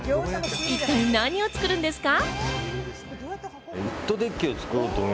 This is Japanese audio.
一体何を作るんですか？